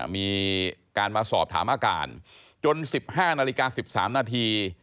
มีการมาสอบถามอาการจน๑๕นาฬิกา๑๓นาที